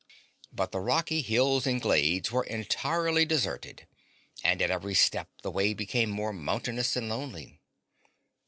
But the rocky hills and glades were entirely deserted and at every step the way became more mountainous and lonely.